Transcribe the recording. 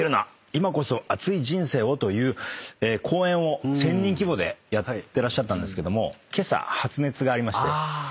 今こそ熱い人生を」という講演を１，０００人規模でやってらっしゃったんですけどもけさ発熱がありまして。